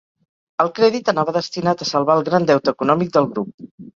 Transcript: El crèdit anava destinat a salvar el greu deute econòmic del grup.